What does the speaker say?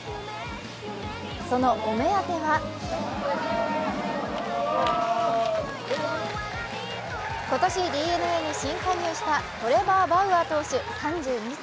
そのお目当ては今年ＤｅＮＡに新加入したトレバー・バウアー投手３２歳。